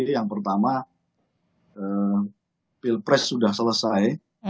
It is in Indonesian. yang pertama pilpres sudah selesai